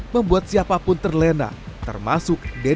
membuat siapapun terlena termasuk dede suryana